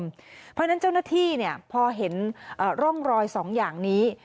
เพราะฉะนั้นเจ้าหน้าที่พอเห็นร่องรอย๒อย่างนี้